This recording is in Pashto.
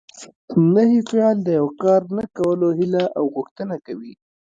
نهي فعل د یو کار نه کولو هیله او غوښتنه کوي.